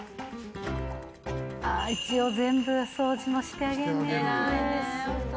ああ一応全部掃除もしてあげんねや。